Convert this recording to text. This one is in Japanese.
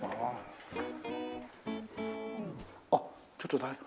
あっちょっと誰か。